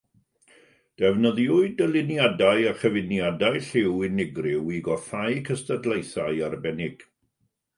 Defnyddiwyd dyluniadau a chyfuniadau lliw unigryw i goffáu cystadlaethau arbennig.